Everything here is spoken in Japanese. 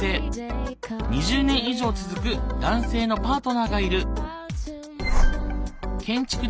２０年以上続く男性のパートナーがいる。